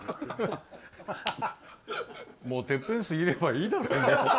もうてっぺん過ぎればいいだろ。